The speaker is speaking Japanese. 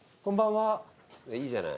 はい。